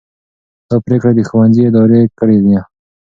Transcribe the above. دا پرېکړه د ښوونځي ادارې کړې ده.